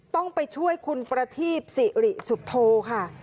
ต้องไปช่วยคุณประทีปสิริสุโธค่ะ